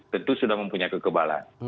tentu sudah mempunyai kekebalan